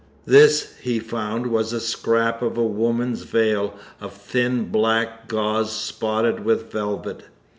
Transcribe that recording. This he found was the scrap of a woman's veil of thin black gauze spotted with velvet.